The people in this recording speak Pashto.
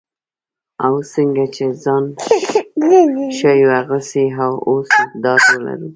او څنګه چې ځان ښیو هغسې اوسو ډاډ ولرئ.